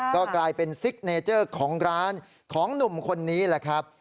ก็กลายเป็นซิกเนเจอร์ของร้านของหนุ่มคนนี้แหละครับ